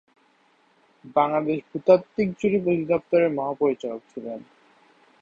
বাংলাদেশ ভূতাত্ত্বিক জরিপ অধিদপ্তরের মহাপরিচালক ছিলেন।